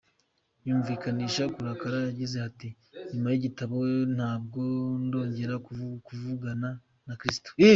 Yumvikanisha kurakara, yagize ati "Nyuma y’igitabo ntabwo ndongera kuvugana na Kris.